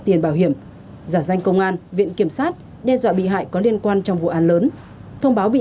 tiền bảo hiểm giả danh công an viện kiểm sát đe dọa bị hại có liên quan trong vụ án lớn thông báo bị